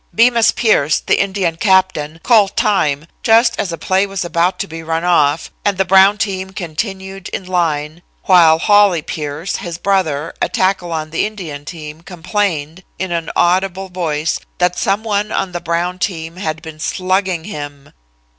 Bemus Pierce, the Indian captain, called time just as a play was about to be run off, and the Brown team continued in line, while Hawley Pierce, his brother, a tackle on the Indian team, complained, in an audible voice, that some one on the Brown team had been slugging him.